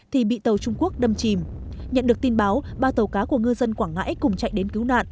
thì bị tàu trung quốc đâm chìm nhận được tin báo ba tàu cá của ngư dân quảng ngãi cùng chạy đến cứu nạn